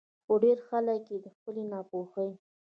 خو ډېر خلک ئې د خپلې نا پوهۍ